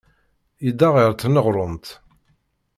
Yedda ɣer tneɣrumt.